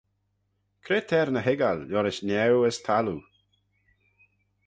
Cre t'er ny hoiggal liorish niau as thalloo?